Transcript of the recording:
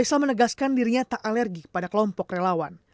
faisal menegaskan dirinya tak alergik pada kelompok relawan